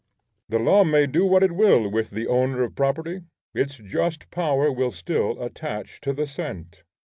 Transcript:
The law may do what it will with the owner of property; its just power will still attach to the cent.